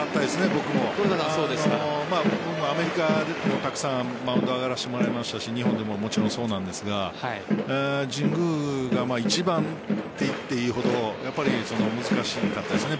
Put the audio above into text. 僕もアメリカでもたくさんマウンドに上がらせてもらいましたし日本でももちろんそうなんですが神宮が一番といっていいほど難しかったですね